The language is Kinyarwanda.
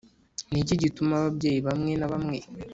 Ni iki gituma ababyeyi bamwe na bamwe